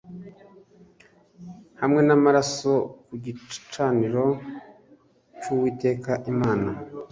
hamwe n amaraso ku gicaniro cy uwiteka imana